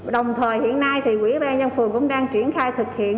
đồng thời hiện nay thì quỹ ban nhân phường cũng đang triển khai thực hiện